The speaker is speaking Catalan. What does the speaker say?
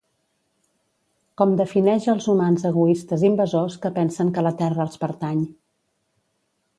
Com defineix els humans egoistes invasors que pensen que la Terra els pertany